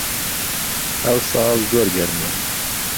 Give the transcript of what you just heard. ئەوساڵ زۆر گەرمە